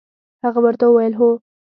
هغه ورته وویل: هو.